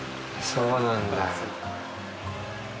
そうなんだ。